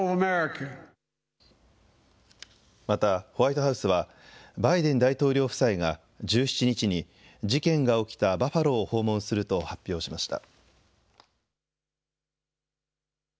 またホワイトハウスはバイデン大統領夫妻が１７日に事件が起きたバファローを訪問すると発表しました。